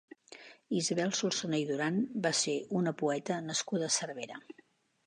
Isabel Solsona i Duran va ser una poeta nascuda a Cervera.